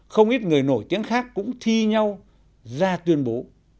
không ít người nổi tiếng khác cũng thi nhau ra tuyên bố